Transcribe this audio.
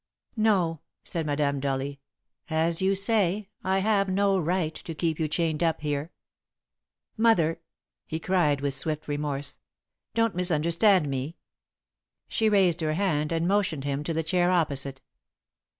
"No," said Madame, dully. "As you say, I have no right to keep you chained up here." "Mother!" he cried, with swift remorse. "Don't misunderstand me!" She raised her hand and motioned him to the chair opposite.